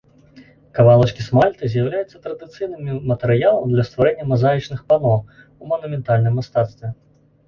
Кавалачкі смальты з'яўляюцца традыцыйным матэрыялам для стварэння мазаічных пано, у манументальным мастацтве.